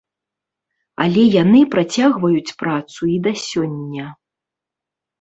Але яны працягваюць працу і да сёння.